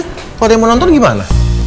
kalau yang mau nonton gimana